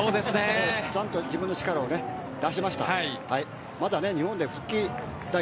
ちゃんと自分の力を出しました。